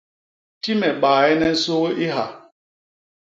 Ti me baaene nsugi i ha.